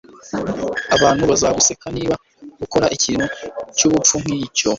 Abantu bazaguseka niba ukora ikintu cyubupfu nkicyo.